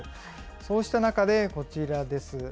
そうした中で、こちらです。